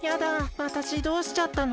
わたしどうしちゃったの？